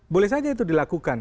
boleh saja itu dilakukan